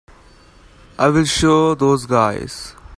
I'll show those guys.